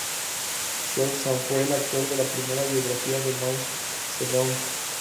Xiao San fue el autor de la primera biografía de Mao Zedong.